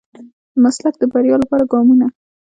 د مسلک د بريا لپاره ګامونه.